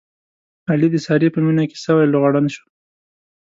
علي د سارې په مینه کې سوی لوغړن شو.